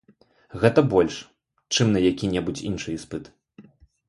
Гэта больш, чым на які-небудзь іншы іспыт.